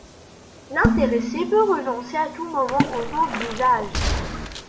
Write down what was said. L'intéressé peut renoncer à tout moment au nom d'usage.